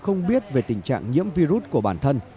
không biết về tình trạng nhiễm virus của bản thân